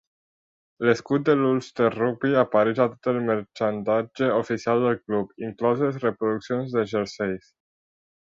L'escut de l'Ulster Rugby apareix a tot el marxandatge oficial del club, incloses reproduccions de jerseis .